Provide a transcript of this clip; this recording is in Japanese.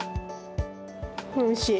おいしい。